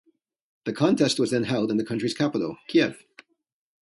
The contest was then held in the country's capital, Kyiv.